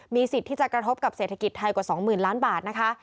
สิทธิ์ที่จะกระทบกับเศรษฐกิจไทยกว่า๒๐๐๐ล้านบาทนะคะ